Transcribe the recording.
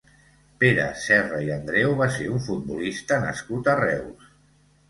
Pere Serra i Andreu va ser un futbolista nascut a Reus.